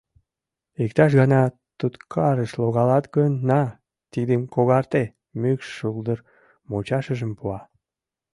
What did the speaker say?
Иктаж-гана туткарыш логалат гын, на, тидым когарте, — мӱкш шулдыр мучашыжым пуа.